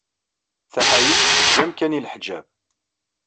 Taḥayekt teǧǧa amkan i leḥǧab.